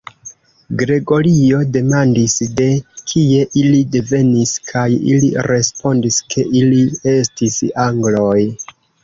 Gregorio demandis, de kie ili devenis, kaj ili respondis ke ili estis angloj.